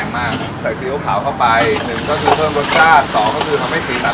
มาไฟก่อนเช่นเยอะเลยนะครับผมได้ยังได้ยัง